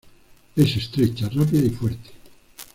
Es estrecha, rápida y fuerte.